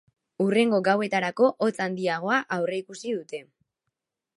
Hurrengo gauetarako hotz handiagoa aurreikusi dute.